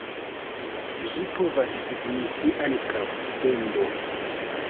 Ĝi povas signifi ankaŭ "tendo".